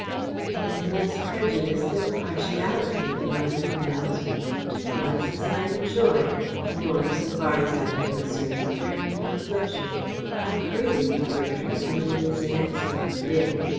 "It is less prejudice than a partiality," the latter pronounced. "Two glasses I enjoy. More, so far as I am concerned, bring me no pleasure. I agree with you, Bertram, that it is an excellent bin.